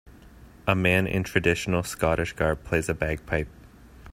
A man in traditional Scottish garb plays a bagpipe.